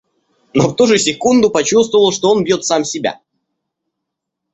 Но в ту же секунду почувствовал, что он бьет сам себя.